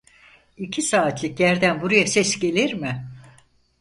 İki saatlik yerden buraya ses gelir mi?